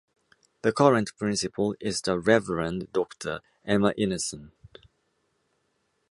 The current principal is the Reverend Doctor Emma Ineson.